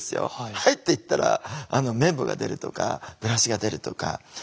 「はい」って言ったら綿棒が出るとかブラシが出るとか。